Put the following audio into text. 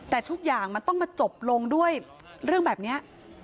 แต่ทุกอย่างมันต้องมาจบลงด้วยเรื่องแบบนี้